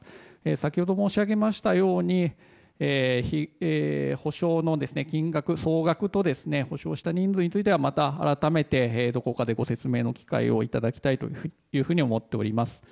先ほど申し上げましたように補償の金額、総額と補償した人数についてはまた改めてどこかでご説明の機会をいただきたいと思っております。